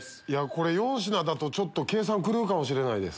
これ４品だと計算狂うかもしれないです。